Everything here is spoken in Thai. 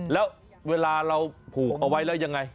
แล้วเวลาเราผูกเอาไว้แล้วยังไง